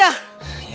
ya ampun mang diman